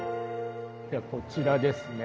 ではこちらですね。